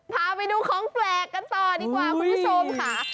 พาไปดูของแปลกกันต่อดีกว่าคุณผู้ชมค่ะ